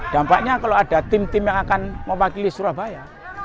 dampaknya kalau ada tim tim yang akan mewakili surabaya